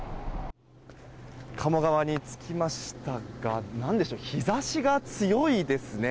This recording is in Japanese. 鴨川に着きましたが何でしょう日差しが強いですね。